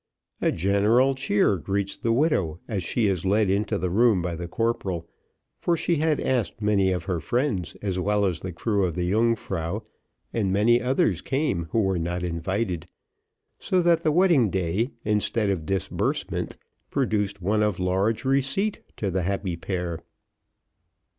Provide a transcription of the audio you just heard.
A general cheer greets the widow as she is led into the room by the corporal for she had asked many of her friends as well as the crew of the Yungfrau, and many others came who were not invited; so that the wedding day, instead of disbursement, produced one of large receipt to the happy pair.